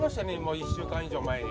１週間以上前に。